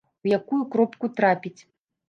У якую кропку трапіць.